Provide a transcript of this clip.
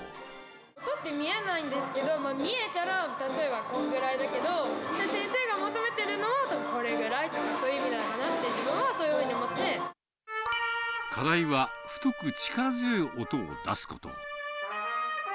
音って見えないんですけど、見えたら、例えばこんぐらいだけど、先生が求めてるのはたぶんこれぐらいとか、そういう意味なんだなって、課題は、太く力強い音を出すこと。